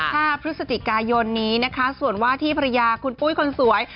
ห้าพฤศจิกายนนี้นะคะส่วนว่าที่ภรรยาคุณปุ้ยคนสวย